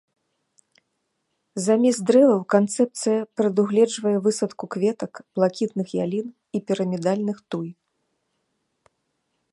Замест дрэваў канцэпцыя прадугледжвае высадку кветак, блакітных ялін і пірамідальных туй.